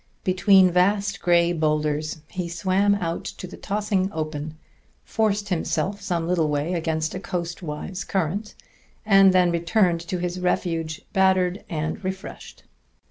Between vast gray boulders he swam out to the tossing open, forced himself some little way against a coast wise current, and then returned to his refuge battered and refreshed.